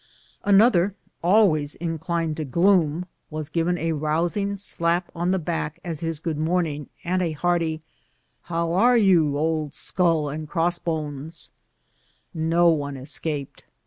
Another, always inclined to gloom, was given a rousing slap on the back as his good morning, and a hearty " How are you, Old Skull and Cross bones 1" No one escaped.